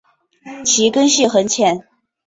其根系很浅。